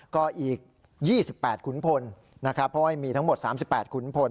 ก็อีก๒๘ขุนพลนะครับเพราะว่ามีทั้งหมด๓๘ขุนพล